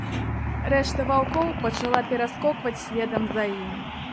Рэшта ваўкоў пачала пераскокваць следам за ім.